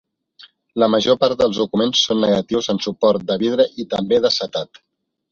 La major part dels documents són negatius en suport de vidre i també d'acetat.